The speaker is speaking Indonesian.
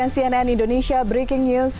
cnn indonesia breaking news